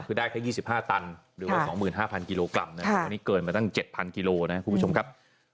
คือได้แค่๒๕ตันหรือว่า๒๕๐๐กิโลกรัมนะครับวันนี้เกินมาตั้ง๗๐๐กิโลนะครับคุณผู้ชมครับ